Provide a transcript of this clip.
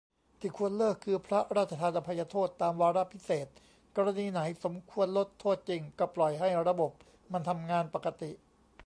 ที่ควรเลิกคือ พระราชทานอภัยโทษตามวาระพิเศษ กรณีไหนสมควรลดโทษจริงก็ปล่อยให้ระบบมันทำงานปกติ